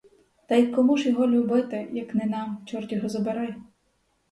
Та й кому ж його любити, як не нам, чорт його забирай?